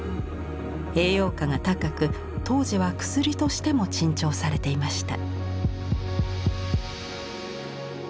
栄養価が高く当時は薬としても珍重されていました。